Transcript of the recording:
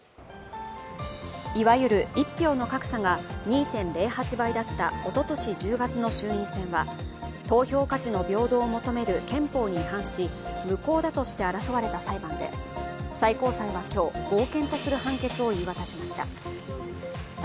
いわゆる一票の格差が２．０８倍だったおととし１０月の衆院選は投票価値の平等を求める憲法に違反し、無効だとして争われた判断で最高裁は今日、合憲とする判決を言い渡しました。